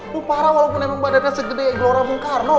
lo parah walaupun emang badannya segede ya gelora mungkarno